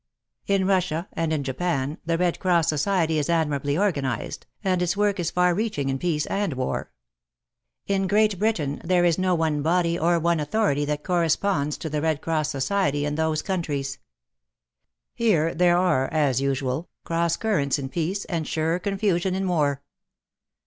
In Russia and in Japan the Red Cross Society is admirably organized, and its work is far reaching in peace and war. In Great Britain there is no one body or one authority that corresponds to the Red Cross Society in those countries. Here there are, as usual, cross currents in peace and sure confusion in war.